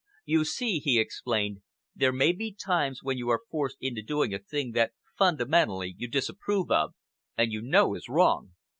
You see," he explained, "there may be times when you are forced into doing a thing that fundamentally you disapprove of and you know is wrong.